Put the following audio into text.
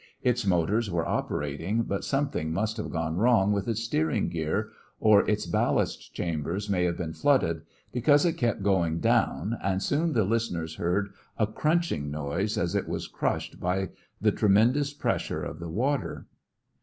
Its motors were operating, but something must have gone wrong with its steering gear, or its ballast chambers may have been flooded, because it kept going down and soon the listeners heard a crunching noise as it was crushed by the tremendous pressure of the water.